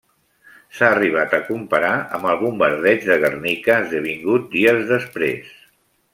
S'ha arribat a comparar amb el bombardeig de Guernica, esdevingut dies després.